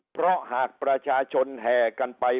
เพราะหากประชาชนแห่กันไป